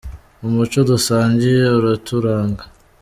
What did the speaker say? Umuco dusangiye uraturanga